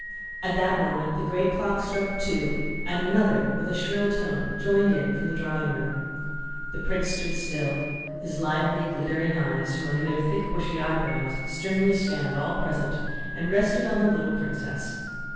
At that moment the great clock struck two and another with a shrill tone joined in from the drawing room. The prince stood still; his lively glittering eyes from under their thick, bushy eyebrows sternly scanned all present and rested on the little princess.